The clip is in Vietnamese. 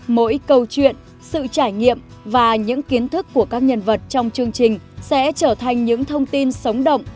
mỗi câu chuyện sự trải nghiệm và những kiến thức của các nhân vật trong chương trình sẽ trở thành những thông tin sống động